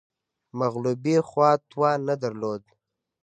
مغلوبې خوا توان نه درلود